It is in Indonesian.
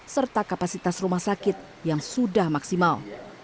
serta kapasitas rumah sakit yang sudah maksimal